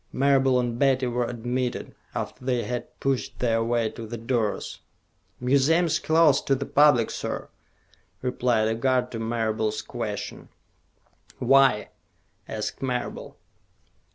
Marable and Betty were admitted, after they had pushed their way to the doors. "Museum's closed to the public, sir," replied a guard to Marable's question. "Why?" asked Marable.